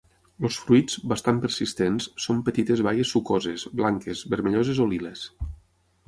Els fruits, bastant persistents, són petites baies sucoses, blanques, vermelloses o liles.